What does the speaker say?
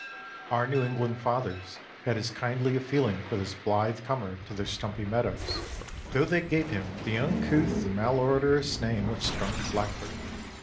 Our New England fathers had as kindly a feeling for this blithe comer to their stumpy meadows, though they gave him the uncouth and malodorous name of skunk blackbird.